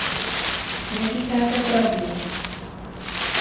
Neříkáte pravdu!